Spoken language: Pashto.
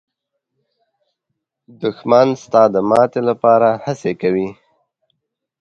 دښمن ستا د ماتې لپاره هڅې کوي